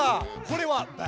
これは。